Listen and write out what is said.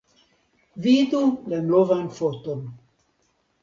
Vidu la novan foton.